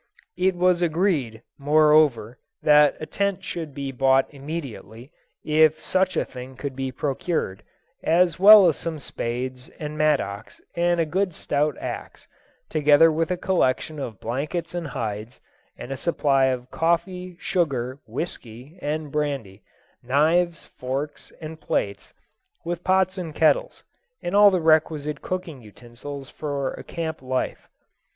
It was agreed, moreover, that a tent should be bought immediately, if such a thing could be procured, as well as some spades, and mattocks, and a good stout axe, together with a collection of blankets and hides, and a supply of coffee, sugar, whisky, and brandy; knives, forks, and plates, with pots and kettles, and all the requisite cooking utensils for a camp life.